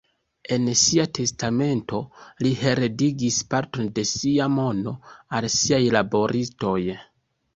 En sia testamento li heredigis parton de sia mono al siaj laboristoj.